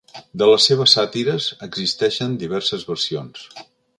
De les seves sàtires existeixen diverses versions.